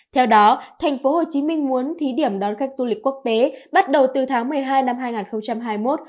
theo đó thành phố hồ chí minh muốn thí điểm đón khách du lịch quốc tế bắt đầu từ tháng một mươi hai năm hai nghìn hai mươi một